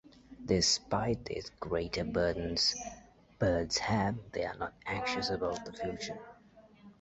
Despite these greater burdens birds have, they are not anxious about the future.